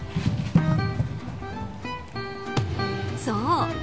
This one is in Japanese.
そう！